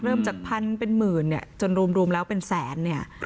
เริ่มจากพันเป็นหมื่นจนรวมแล้วเป็นแสน